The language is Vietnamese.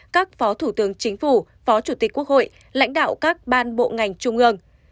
các phó thủ tướng chính phủ phó chủ tịch quốc hội lãnh đạo các ban bộ ngành trung ương